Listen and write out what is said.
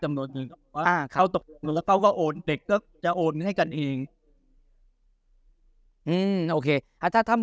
อ่าเขาตกลงแล้วเขาก็โอนเด็กก็จะโอนให้กันเองอืมโอเคอ่าถ้าทำ